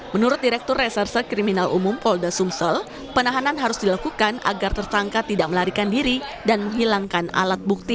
menurut direktur reserse kriminal umum polda sumsel penahanan harus dilakukan agar tersangka tidak melarikan diri dan menghilangkan alat bukti